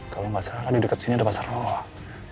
kalau enggak salah di dekat sini ada pasar lolak